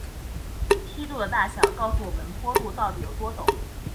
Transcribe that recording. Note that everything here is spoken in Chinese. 梯度的大小告诉我们坡度到底有多陡。